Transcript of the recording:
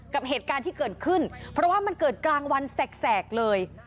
กับเหตุการณ์ที่เกิดขึ้นเพราะว่ามันเกิดกลางวันแสกเลย